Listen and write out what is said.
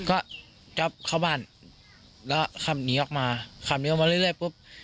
ก็จ๊อปเข้าบ้านแล้วขับหนีออกมาขับหนีออกมาเรื่อยปุ๊บ